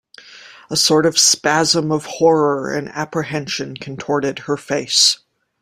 A sort of spasm of horror and apprehension contorted her face.